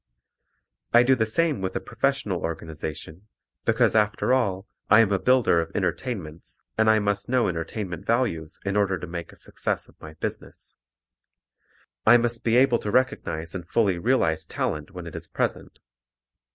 I do the same with a professional organization, because after all I am a builder of entertainments and I must know entertainment values in order to make a success of my business. I must be able to recognize and fully realize talent when it is present.